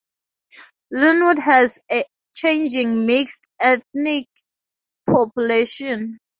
Lynwood has a changing mixed-ethnic population.